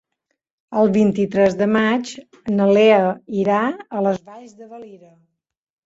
El vint-i-tres de maig na Lea irà a les Valls de Valira.